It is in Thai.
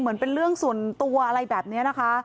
เป็นเรื่องส่วนตัวอะไรแบบนี้นะคะ